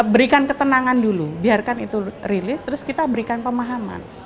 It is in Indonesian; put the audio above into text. berikan ketenangan dulu biarkan itu rilis terus kita berikan pemahaman